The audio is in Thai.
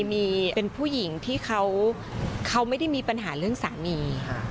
มีเป็นผู้หญิงที่เขาไม่ได้มีปัญหาเรื่องสามี